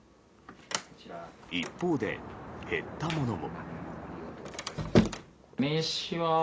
一方で、減ったものも。